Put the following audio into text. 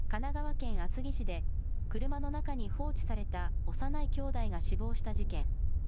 神奈川県厚木市で、車の中に放置された幼いきょうだいが死亡した事件。